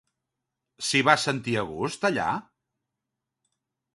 S'hi va sentir a gust, allà?